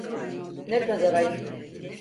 Ne kadar ayıp.